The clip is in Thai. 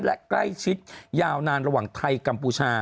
และใกล้ชิดยาวนานระหว่างไทยกัมพูชา